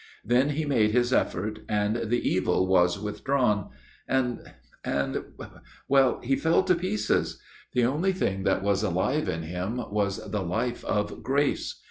Then he made his effort and the evil was withdrawn and and, well he fell to pieces. The only thing that was alive in him was the life of grace.